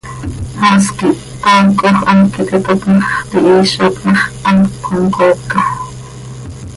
Haas quih taacoj, hant quih iti tap ma x, tihiizat ma x, hant comcooca.